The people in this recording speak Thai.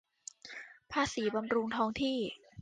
ภาษีบำรุงท้องที่